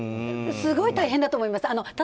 すごい大変だと思います。